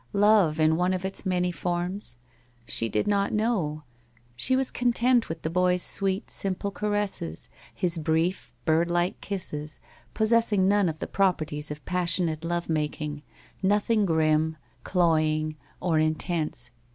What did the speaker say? Love in one of its many forms? She did not know. She was content with the boy's sweet, simple caresses, bis brief, birdlike kisses, pot jessing none of the properties of passionate love making — nothing grim, cloving, or intense.